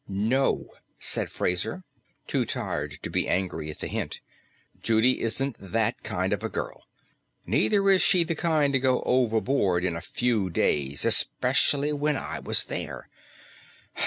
"No," said Fraser, too tired to be angry at the hint. "Judy isn't that kind of a girl. Neither is she the kind to go overboard in a few days, especially when I was there.